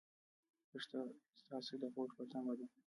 پښتو ستاسو د هوډ په تمه ده.